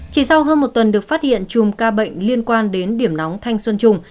chỉ sau hơn một tuần được phát hiện chùm ca bệnh liên quan đến điểm nóng thanh xuân trung